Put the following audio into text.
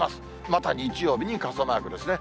また日曜日に傘マークですね。